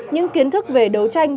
những kiến thức về đấu tranh